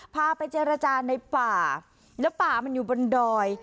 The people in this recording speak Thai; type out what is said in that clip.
พาไปเจรจาในป่าแล้วป่ามันอยู่บนดอย